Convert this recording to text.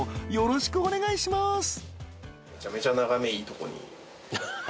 よろしくお願いします